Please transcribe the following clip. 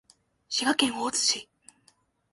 滋賀県大津市